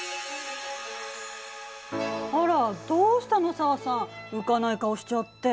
あらどうしたの紗和さん浮かない顔しちゃって。